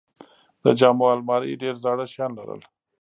د جامو الماری ډېرې زاړه شیان لرل.